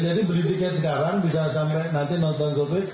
jadi beli tiket sekarang bisa sampai nanti nonton coldplay